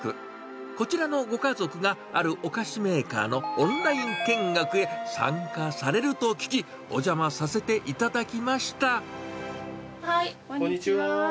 こちらのご家族が、あるお菓子メーカーのオンライン見学へ参加されると聞き、お邪魔はい、こんにちは。